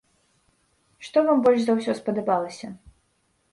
Што вам больш за ўсё спадабалася?